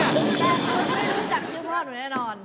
ไม่รู้จักชื่อพ่อหนูแน่นอน